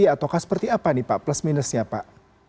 atau seperti apa nih pak plus minusnya pak